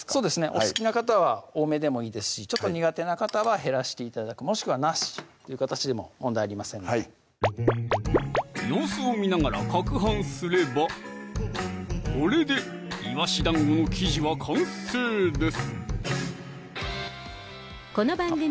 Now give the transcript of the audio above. お好きな方は多めでもいいですしちょっと苦手な方は減らして頂くもしくはなしという形でも問題ありませんので様子を見ながらかくはんすればこれでいわし団子の生地は完成です